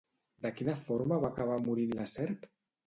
De quina forma va acabar morint la serp?